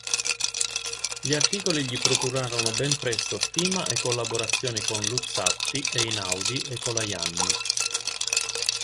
Gli articoli gli procurarono ben presto stima e collaborazioni con Luzzatti, Einaudi e Colajanni.